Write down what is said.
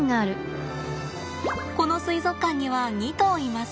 この水族館には２頭います。